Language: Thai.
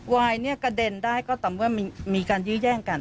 วายเนี่ยกระเด็นได้ก็ต่อเมื่อมีการยื้อแย่งกัน